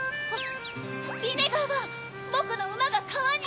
あっ！